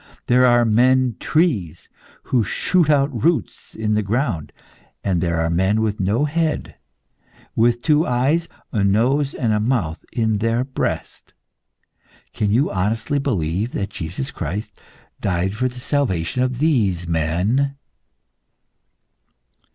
There are men trees, who shoot out roots in the ground. And there are men with no head, with two eyes, a nose, and a mouth in their breast. Can you honestly believe that Jesus Christ died for the salvation of these men?"